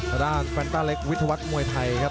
ทางด้านแฟนต้าเล็กวิทยาวัฒน์มวยไทยครับ